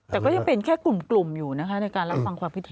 แต่ก็ยังเปลี่ยนแค่กลุ่มอยู่นะคะในการรับความความผิดเห็น